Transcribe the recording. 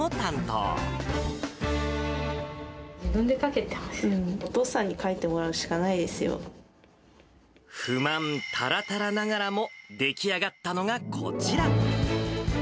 うん、お父さんに描いてもら不満たらたらながらも、出来上がったのがこちら。